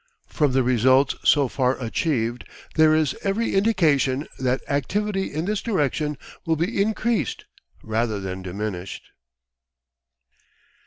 From the results so far achieved there is every indication that activity in this direction will be increased rather than diminished.